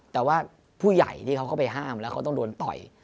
แต่ว่าผู้ใหญ่ที่เขาเข้าไปห้ามแล้วเขาต้องโดนต่อย